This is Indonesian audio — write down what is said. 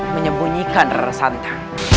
menyembunyikan rara santa